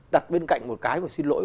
đặt bên cạnh một cái của xin lỗi